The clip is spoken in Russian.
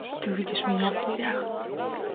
Ты увидишь меня в дверях.